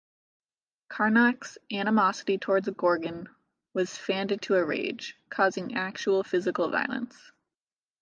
Karnak's animosity towards Gorgon was fanned into a rage, causing actual physical violence.